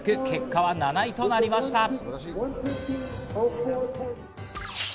結果は７位となりました。